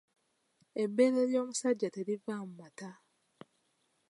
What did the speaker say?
Ebbeere ly’omusajja terivaamu mata.